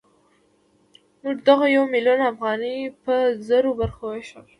موږ دغه یو میلیون افغانۍ په زرو برخو وېشو